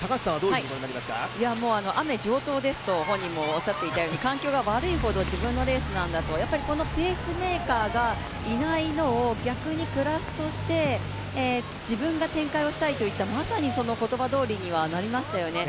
雨、上等ですと本人もおっしゃっていて、環境が悪いほど、自分のレースなんだとやっぱりこのペースメーカーがいないのを逆にプラスとして自分が展開をしたいといった、まさにその言葉どおりになりましたよね。